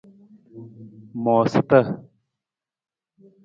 Moosata.